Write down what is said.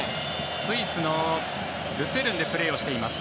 スイスのルツェルンでプレーしています。